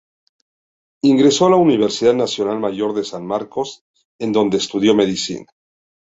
Ingresó a la Universidad Nacional Mayor de San Marcos, en donde estudió medicina.